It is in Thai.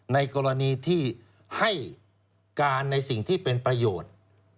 ในกรณีที่ให้การในสิ่งที่เป็นประโยชน์